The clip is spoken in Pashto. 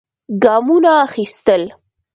ګامونه اخېستل.